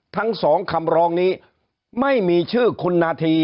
ทั้ง๒คำร้องนี้ไม่มีชื่อดำที